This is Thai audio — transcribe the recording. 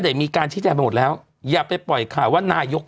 ได้มีการชี้แจงไปหมดแล้วอย่าไปปล่อยข่าวว่านายก